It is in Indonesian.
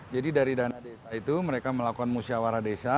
jadi dari dana desa itu mereka melakukan musyawarah desa